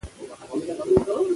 ډاکټران پکښې فلوکسیټين لیکي